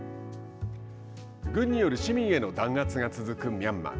軍にによる市民への弾圧が続くミャンマー。